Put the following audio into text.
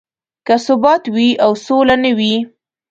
که ثبات وي او سوله نه وي.